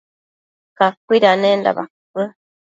cacuidanenda bacuë